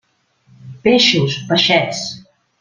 Peixos, peixets!